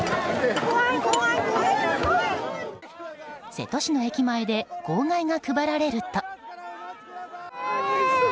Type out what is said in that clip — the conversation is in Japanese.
瀬戸市の駅前で号外が配られると。